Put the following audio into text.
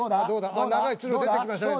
あっ長いツル出てきましたね。